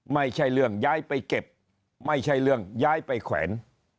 ไม่ใช่เรื่องย้ายไปเก็บไม่ใช่เรื่องย้ายไปแขวน